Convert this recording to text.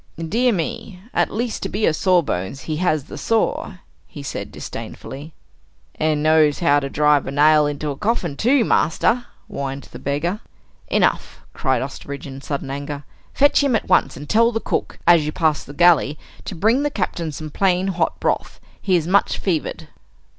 "Dear me! At least to be a sawbones, he has the saw!" he said disdainfully. "And knows how to drive a nail into a coffin too, master," whined the beggar. "Enough!" cried Osterbridge in sudden anger. "Fetch him at once, and tell the cook, as you pass the galley, to bring the Captain some plain hot broth! He is much fevered."